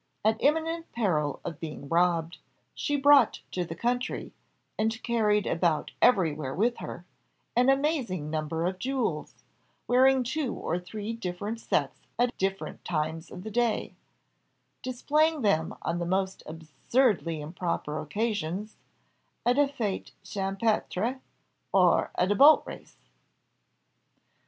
At imminent peril of being robbed, she brought to the country, and carried about everywhere with her, an amazing number of jewels, wearing two or three different sets at different times of the day displaying them on the most absurdly improper occasions at a fete champêtre, or a boat race.